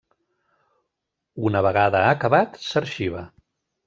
Una vegada ha acabat, s'arxiva.